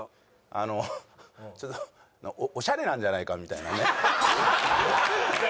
あのちょっと「オシャレなんじゃないか」みたいなね。